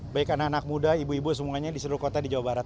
baik anak anak muda ibu ibu semuanya di seluruh kota di jawa barat